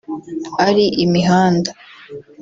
ari imihanda